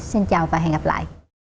xin chào và hẹn gặp lại